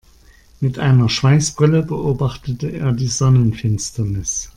Mit einer Schweißbrille beobachtete er die Sonnenfinsternis.